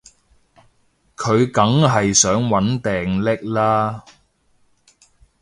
佢梗係想搵掟匿喇